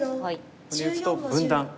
ここに打つと分断。